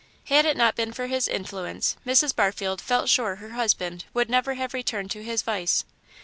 Had it not been for his influence Mrs. Barfield felt sure her husband would never have returned to his vice.